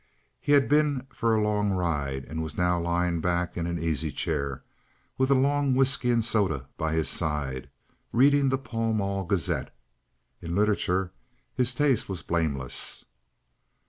He had been for a long ride, and was now lying back in an easy chair, with a long whisky and soda by his side, reading the Pall Mall Gazette. In literature his taste was blameless.